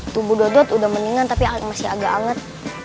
tubuh dodot udah mendingan tapi masih agak anget